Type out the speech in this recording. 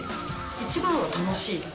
一番は楽しい。